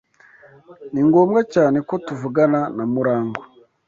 Ni ngombwa cyane ko tuvugana na Murangwa.